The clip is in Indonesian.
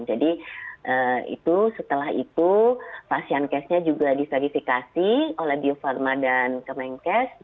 jadi setelah itu fashion case nya juga diserifikasi oleh bio farma dan command case